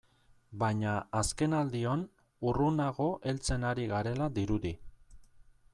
Baina azkenaldion urrunago heltzen ari garela dirudi.